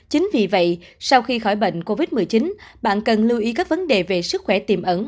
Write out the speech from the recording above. chính vì vậy sau khi khỏi bệnh covid một mươi chín bạn cần lưu ý các vấn đề về sức khỏe tiềm ẩn